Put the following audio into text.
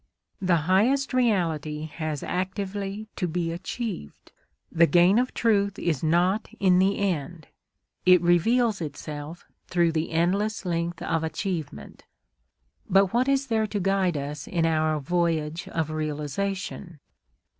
The highest reality has actively to be achieved. The gain of truth is not in the end; it reveals itself through the endless length of achievement. But what is there to guide us in our voyage of realisation?